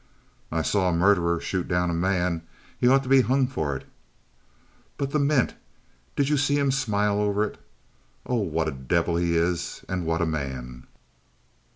"I saw a murderer shoot down a man; he ought to be hung for it!" "But the mint! Did you see him smile over it? Oh, what a devil he is; and what a man!"